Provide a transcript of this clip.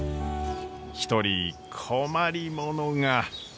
一人困り者が。